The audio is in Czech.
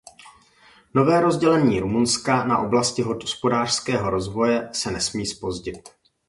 Nové rozdělení Rumunska na oblasti hospodářského rozvoje se nesmí zpozdit.